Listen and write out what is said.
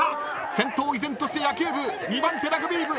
先頭依然として野球部２番手ラグビー部。